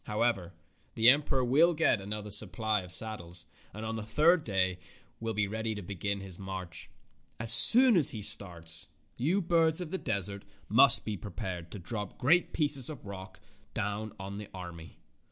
How ever, the emperor will get another supply of saddles, and on the third day will be ready to begin his march. As soon as he starts, you birds of the desert must be prepared to drop great pieces of rock down on the army."